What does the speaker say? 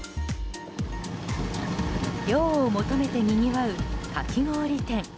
涼を求めてにぎわうかき氷店。